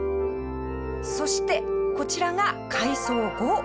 そしてこちらが改装後ですね。